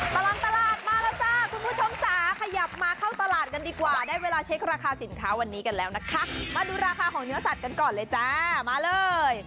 ตลอดตลาดมาแล้วจ้าคุณผู้ชมจ๋าขยับมาเข้าตลาดกันดีกว่าได้เวลาเช็คราคาสินค้าวันนี้กันแล้วนะคะมาดูราคาของเนื้อสัตว์กันก่อนเลยจ้ามาเลย